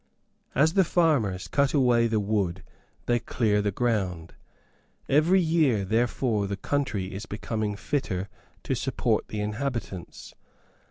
As the farmers cut away the wood they clear the ground. Every year, therefore, the country is becoming fitter to support the inhabitants.